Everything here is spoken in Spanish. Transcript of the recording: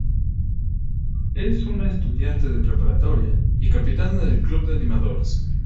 Es una estudiante de preparatoria y capitana del club de animadoras.